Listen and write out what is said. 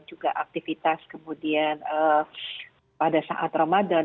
juga aktivitas kemudian pada saat ramadhan